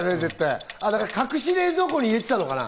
隠し冷蔵庫に入れてたのかな？